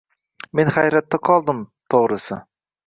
Men hayratda qoldim, to‘g‘risi.